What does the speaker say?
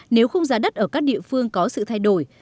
nếu khung giá đất ở các địa phương có sự thay đổi